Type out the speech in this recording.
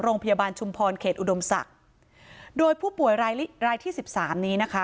โรงพยาบาลชุมพรเขตอุดมศักดิ์โดยผู้ป่วยรายรายที่สิบสามนี้นะคะ